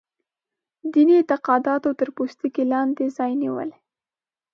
دیني اعتقاداتو تر پوستکي لاندې ځای نیولی.